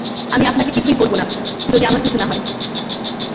আমি আপনাকে কিছুই করব না যদি আমার কিছু না হয়।